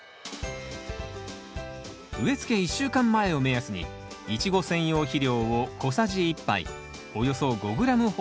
植えつけ１週間前を目安にイチゴ専用肥料を小さじ１杯およそ５ｇほど混ぜましょう。